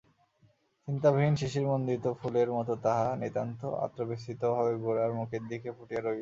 চিন্তাবিহীন শিশিরমণ্ডিত ফুলের মতো তাহা নিতান্ত আত্মবিস্মৃতভাবে গোরার মুখের দিকে ফুটিয়া রহিল।